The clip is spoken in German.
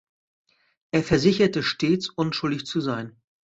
Er versicherte stets unschuldig zu sein.